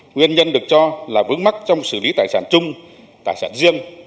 nguyên nhân được cho là vướng mắc trong xử lý tài sản chung tài sản riêng